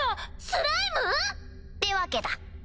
スライム⁉ってわけだ。